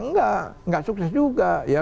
enggak enggak sukses juga ya